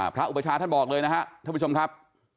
อุปชาท่านบอกเลยนะครับท่านผู้ชมครับ